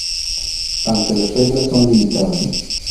Aunque las reglas son limitadas.